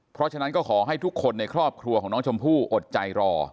เพราะฉะนั้นก็ขอให้ทุกคนในครอบครัวของน้องชมพู่อดใจรอ